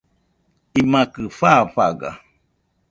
imakɨ fafaga